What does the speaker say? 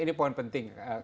ini poin penting